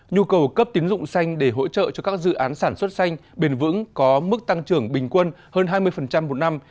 nhu cầu cấp tín dụng xanh để hỗ trợ cho các dự án sản xuất xanh bền vững có mức tăng trưởng bình quân hơn hai mươi một năm